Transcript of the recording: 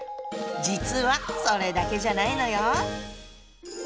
実はそれだけじゃないのよ。